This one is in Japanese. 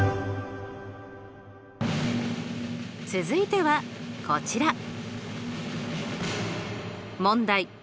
続いてはこちら。